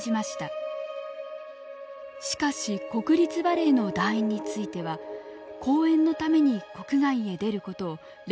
しかし国立バレエの団員については公演のために国外へ出ることを例外として認めたのです。